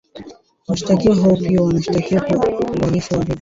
washtakiwa hao pia wanashtakiwa kwa uhalifu wa vita